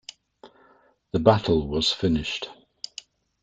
The battle was finished.